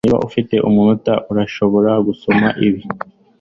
Niba ufite umunota urashobora gusoma ibi